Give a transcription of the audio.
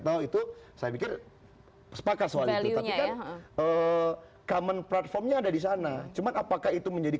tahu itu saya pikir sepakat soalnya ya eh common platformnya ada di sana cuman apakah itu menjadi